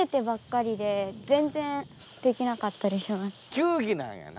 球技なんやな？